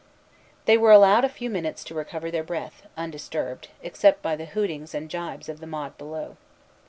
They were allowed a few minutes to recover their breath, undisturbed, except by the hootings and gibes of the mob below.